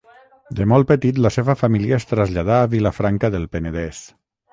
De molt petit la seva família es traslladà a Vilafranca del Penedès.